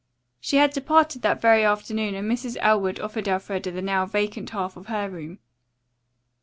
She had departed that very afternoon and Mrs. Elwood offered Elfreda the now vacant half of her room.